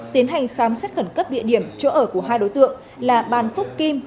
tiến hành khám xét khẩn cấp địa điểm chỗ ở của hai đối tượng là bàn phúc kim